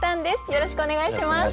よろしくお願いします。